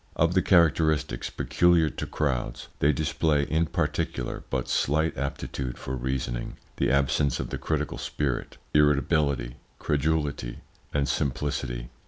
Of the characteristics peculiar to crowds, they display in particular but slight aptitude for reasoning, the absence of the critical spirit, irritability, credulity, and simplicity.